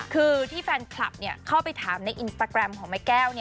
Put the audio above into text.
คือที่แฟนคลับเข้าไปถามในอินสตาแกรมของแม่แก้ว